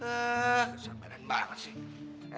kesabaran banget sih